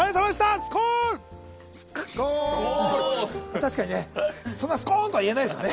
確かにねそんなスコーンとは言えないですよね